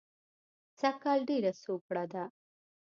سږ کال ډېره سوکړه ده